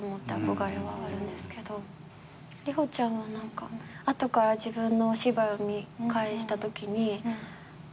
里帆ちゃんは後から自分のお芝居を見返したときに違うんだよ！